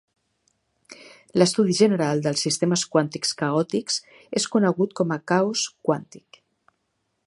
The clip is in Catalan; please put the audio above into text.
L'estudi general dels sistemes quàntics caòtics és conegut com a caos quàntic.